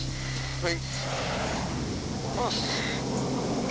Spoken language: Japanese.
はい。